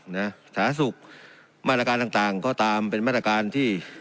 สถานสุขมาตรการต่างต่างก็ตามเป็นมาตรการที่